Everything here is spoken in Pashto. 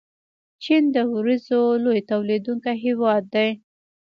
چین د وریجو لوی تولیدونکی هیواد دی.